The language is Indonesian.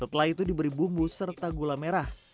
setelah itu diberi bumbu serta gula merah